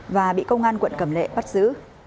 và bị công an quận cầm lệ bắt giữ